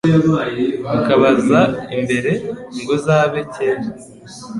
Ukabaza imbere. Ngo uzabe kera,